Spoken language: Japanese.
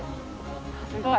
すごい！